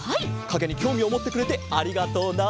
かげにきょうみをもってくれてありがとうな。